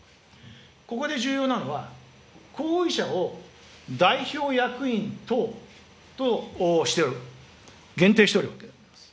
ここで重要なのは、行為者を代表役員等としておる、限定しておるわけであります。